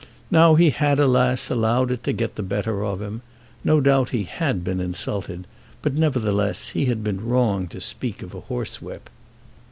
Now he had, alas, allowed it to get the better of him. No doubt he had been insulted; but, nevertheless, he had been wrong to speak of a horsewhip.